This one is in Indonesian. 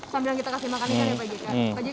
sambil kita kasih makan ikan ya pak jk